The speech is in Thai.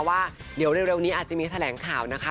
ว่าเดี๋ยวเร็วนี้อาจจะมีแถลงข่าวนะคะ